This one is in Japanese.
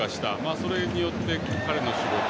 それによって彼の仕事が。